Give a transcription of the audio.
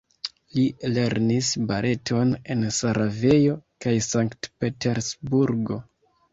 Ŝi lernis baleton en Sarajevo kaj Sankt-Petersburgo.